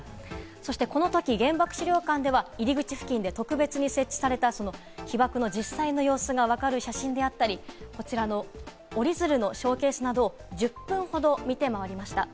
そしてこのとき、原爆資料館では入り口付近で特別に設置された被爆の実際の様子が分かる写真であったり、こちらの折り鶴のショーケースなど、１０分ほど見て回りました。